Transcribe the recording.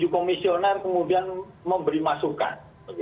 tujuh komisioner kemudian memberi masukan